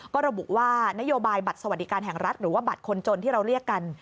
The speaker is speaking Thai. ก็ระบุว่านโยบายบัตรสวัสดิการแห่งรัฐหรือว่าบัตรคนจนที่เราเรียกกัน